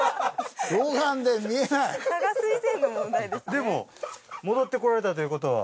でも戻ってこられたという事は。